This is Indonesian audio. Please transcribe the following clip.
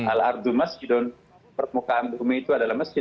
al ardu masjidun permukaan bumi itu adalah masjid